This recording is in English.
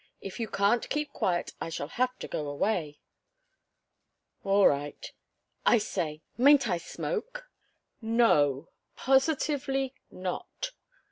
If you can't keep quiet, I shall have to go away." "All right. I say mayn't I smoke?" "No. Positively not."